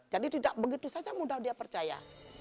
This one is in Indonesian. jadi tidak begitu saja mudah dia percaya